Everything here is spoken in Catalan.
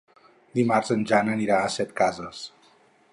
Dimarts en Jan anirà a Setcases.